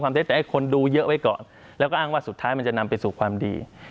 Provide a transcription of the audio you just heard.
เท็จแต่ให้คนดูเยอะไว้ก่อนแล้วก็อ้างว่าสุดท้ายมันจะนำไปสู่ความดี